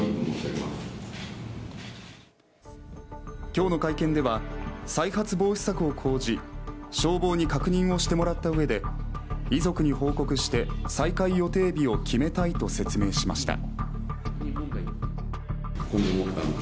今日の会見では、再発防止策を講じ消防に確認をしてもらったうえで遺族に報告して再開予定日を決めたいと説明しました。